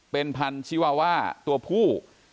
เป็นพันธิวาว่าตัวผู้